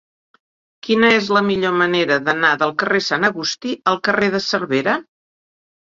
Quina és la millor manera d'anar del carrer de Sant Agustí al carrer de Cervera?